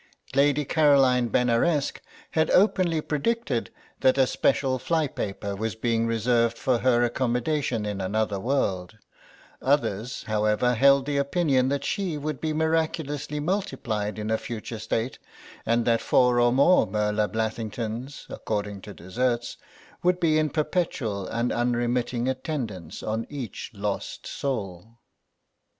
Lady Caroline Benaresq had openly predicted that a special fly paper was being reserved for her accommodation in another world; others, however, held the opinion that she would be miraculously multiplied in a future state, and that four or more Merla Blathlingtons, according to deserts, would be in perpetual and unremitting attendance on each lost soul.